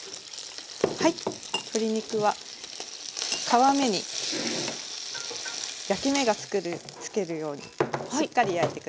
鶏肉は皮目に焼き目が付けるようにしっかり焼いて下さい。